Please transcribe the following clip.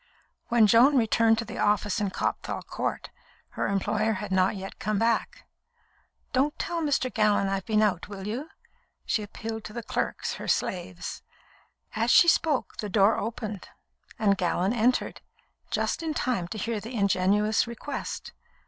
When Joan returned to the office in Copthall Court, her employer had not yet come back. "Don't tell Mr. Gallon I've been out, will you?" she appealed to the clerks, her slaves. As she spoke, the door opened, and Gallon entered, just in time to hear the ingenuous request.